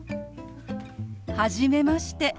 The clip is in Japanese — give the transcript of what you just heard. はじめまして。